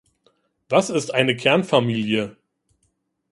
Was ist eine Kernfamilie?